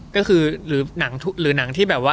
ก็คือหรือหนังที่แบบว่า